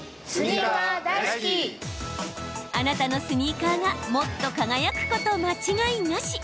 あなたのスニーカーがもっと輝くこと間違いなし。